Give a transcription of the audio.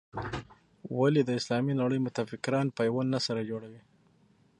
ولې د اسلامي نړۍ متفکران پیوند سره نه جوړوي.